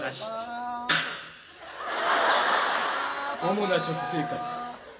主な食生活。